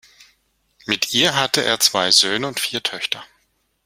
Mit ihr hatte er zwei Söhne und vier Töchter.